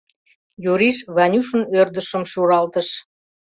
— Юриш Ванюшын ӧрдыжшым шуралтыш.